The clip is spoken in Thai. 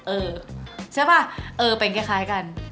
เออใช่ป่ะเออเป็นคล้ายกัน